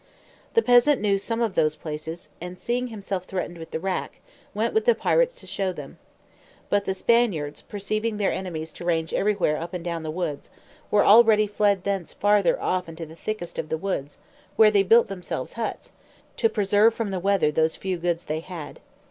The peasant knew some of those places, and seeing himself threatened with the rack, went with the pirates to show them; but the Spaniards perceiving their enemies to range everywhere up and down the woods, were already fled thence farther off into the thickest of the woods, where they built themselves huts, to preserve from the weather those few goods they had.